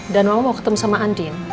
dan mama mau ketemu sama andien